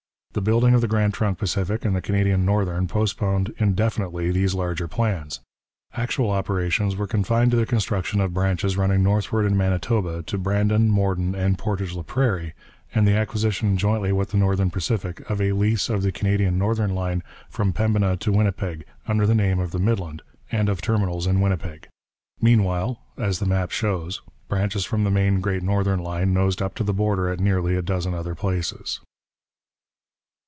The building of the Grand Trunk Pacific and the Canadian Northern postponed indefinitely these larger plans. Actual operations were confined to the construction of branches running northward in Manitoba, to Brandon, Morden, and Portage la Prairie, and the acquisition, jointly with the Northern Pacific, of a lease of the Canadian Northern line from Pembina to Winnipeg, under the name of the Midland, and of terminals in Winnipeg. Meanwhile, as the map shows, branches from the main Great Northern line nosed up to the border at nearly a dozen other places.